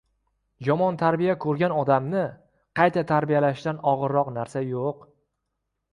Yomon tarbiya ko‘rgan odamni qayta tarbiyalashdan og‘irroq narsa yo‘q.